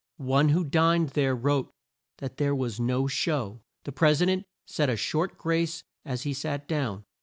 One who dined there wrote that there was no show. The Pres i dent said a short grace as he sat down.